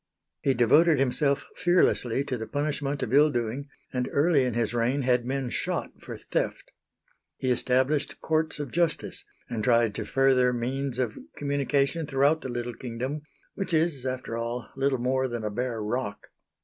He devoted himself fearlessly to the punishment of ill doing, and early in his reign had men shot for theft. He established Courts of Justice and tried to further means of communication throughout the little kingdom, which, is, after all, little more than a bare rock.